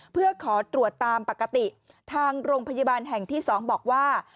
เพื่อขอตรวจตามปกติทางโรงพยาบาลแห่งที่๒บอกว่า